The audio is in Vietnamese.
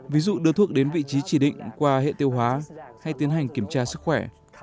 ví dụ đưa thuốc đến vị trí chỉ định qua hệ tiêu hóa hay tiến hành kiểm tra sức khỏe